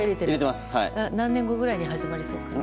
何年後ぐらいに始まりそうかな。